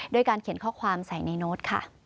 ด้วยการเขียนข้อความใส่ในนโน้ต